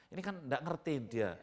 ini kan nggak ngerti dia